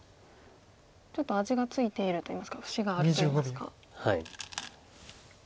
ちょっと味が付いているといいますか節があるといいますか。